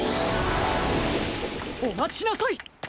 おまちなさい！